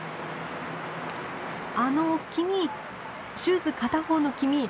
あの君シューズ片方の君。